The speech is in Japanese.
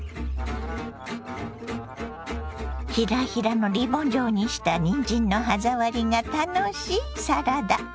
ヒラヒラのリボン状にしたにんじんの歯触りが楽しいサラダ。